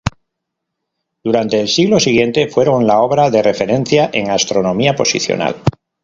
Durante el siglo siguiente fueron la obra de referencia en astronomía posicional.